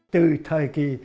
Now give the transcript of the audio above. từ thời kỳ